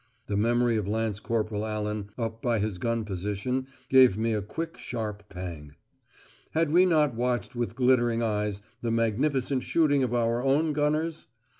(The memory of Lance Corporal Allan up by his gun position gave me a quick sharp pang.) Had we not watched with glittering eyes the magnificent shooting of our own gunners?